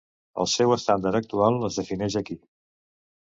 El seu estàndard actual es defineix aquí.